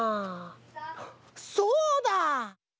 そうだ！